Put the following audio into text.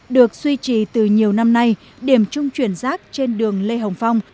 được duy trì từ nhiều năm nay điểm trung chuyển rác trên đường lê hồng phong